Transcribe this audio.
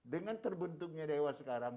dengan terbentuknya dewas sekarang